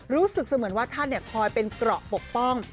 รู้สึกเสมือนว่าท่านคอยเป็นเกราะปกป้อง